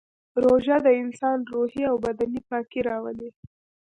روژه د انسان روحي او بدني پاکي راولي